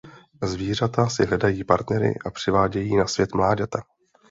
Zvířata si hledají partnery a přivádějí na svět mláďata.